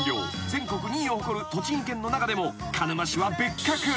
全国２位を誇る栃木県の中でも鹿沼市は別格］